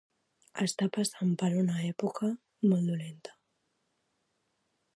Està passant per una època molt dolenta.